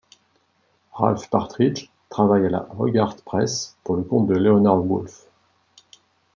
Ralph Partridge travaille à la Hogarth Press, pour le compte de Leonard Woolf.